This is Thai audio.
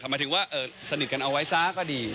ก็คือสนิทกันเอาไว้ซ้าก็ดี